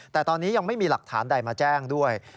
แต่ตอนนี้ยังไม่มีหลักฐานใดมาแจ้งด้วย